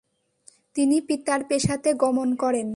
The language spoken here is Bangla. তিনি পিতার পেশাতে গমন করেন।